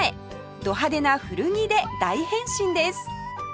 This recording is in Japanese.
ど派手な古着で大変身です